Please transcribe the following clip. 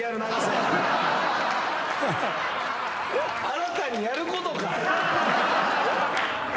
新たにやることか。